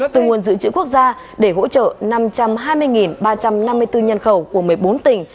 từ nguồn dự trữ quốc gia để hỗ trợ năm trăm hai mươi ba trăm năm mươi bốn nhân khẩu của một mươi bốn tỉnh